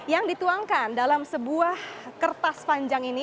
yang dituangkan dalam sebuah kertas panjang ini